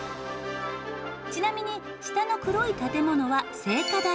ちなみに下の黒い建物は聖火台。